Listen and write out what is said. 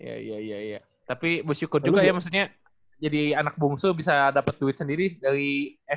iya iya iya iya tapi bu syukur juga ya maksudnya jadi anak bungsu bisa dapat duit sendiri dari sma udah lama